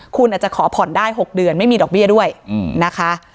คุณอาจจะขอผ่อนได้๖เดือนไม่มีดอกเบี้ยด้วยนะคะ